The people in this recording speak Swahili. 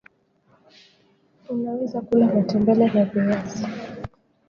unaweza kula matembele na viazi